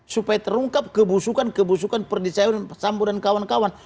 supaya terungkap kebusukan kebusukan perdisaiwan dan sambudan kawan kawan